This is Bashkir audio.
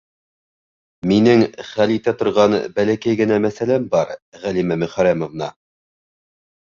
- Минең хәл итә торған бәләкәй генә мәсьәләм бар, Ғәлимә Мөхәррәмовна.